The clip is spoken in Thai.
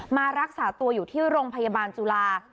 มารักษาตัวอยู่ที่โรงพยาบาลจุฬา